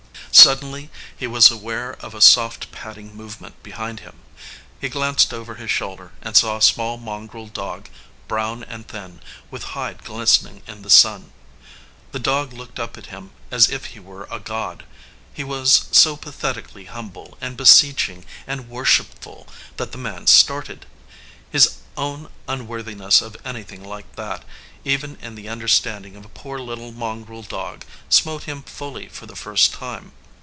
Suddenly he was aware of a soft, padding move ment behind him. He glanced over his shoulder and saw a small mongrel dog, brown and thin, with hide glistening in the sun. The dog looked up at him as if he were a god. He was so pathetic ally humble and beseeching and worshipful that the man started. His own un worthiness of any thing like that, even in the understanding of a poor little mongrel dog, smote him fully for the first time.